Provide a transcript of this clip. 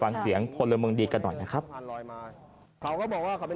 แล้วเราก็เลยเอาไฟติดไว้